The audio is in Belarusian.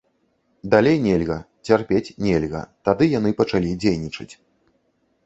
Далей нельга, цярпець нельга, тады яны пачалі дзейнічаць.